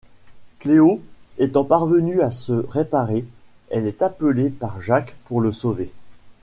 Cleo étant parvenue à se réparer, elle est appelée par Jacq pour le sauver.